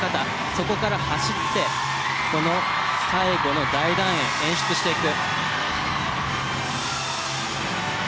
そこから走ってこの最後の大団円演出していく。